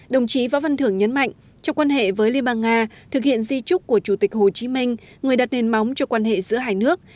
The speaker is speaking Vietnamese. đồng chí võ văn thưởng nhấn mạnh trong quan hệ với liên bang nga thực hiện di trúc của chủ tịch hồ chí minh người đặt nền móng cho quan hệ giữa hai nước